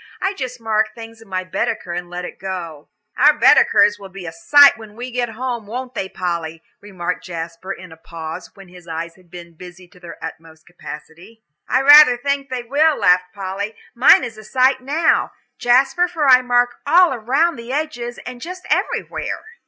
I just mark things in my Baedeker and let it go." "Our Baedekers will be a sight when we get home, won't they, Polly?" remarked Jasper, in a pause, when eyes had been busy to their utmost capacity. "I rather think they will," laughed Polly. "Mine is a sight now, Jasper, for I mark all round the edges and just everywhere."